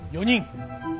４人。